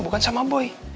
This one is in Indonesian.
bukan sama boy